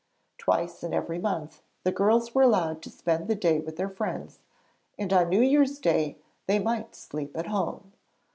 Twice in every month the girls were allowed to spend the day with their friends, and on New Year's Day they might sleep at home.